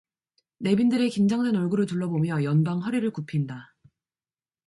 내빈들의 긴장된 얼굴을 둘러보며 연방 허리를 굽힌다.